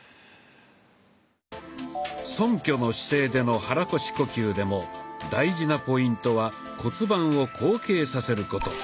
そんきょの姿勢での肚腰呼吸でも大事なポイントは骨盤を後傾させること。